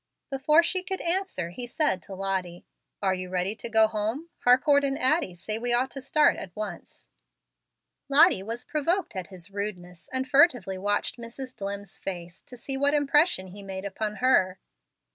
Before she could answer, he said to Lottie, "Are you ready to go home? Harcourt and Addie say we ought to start at once." Lottie was provoked at his rudeness, and furtively watched Mrs. Dlimm's face, to see what impression he made upon her.